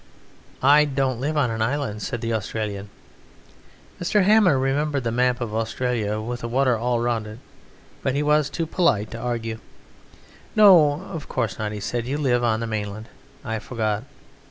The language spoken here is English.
"I don't live on an island," said the Australian. Mr. Hammer remembered the map of Australia, with the water all round it, but he was too polite to argue. "No, of course not," he said; "you live on the mainland; I forgot.